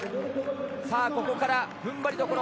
ここから踏ん張りどころ。